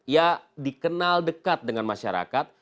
ya dikenal dekat dengan masyarakat